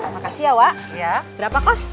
makasih ya wak ya berapa kos